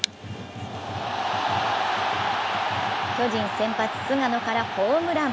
巨人先発・菅野からホームラン。